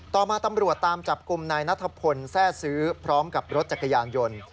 ต่อมาตำรวจตามจับกลุ่มนายนัทพลแทร่ซื้อพร้อมกับรถจักรยานยนต์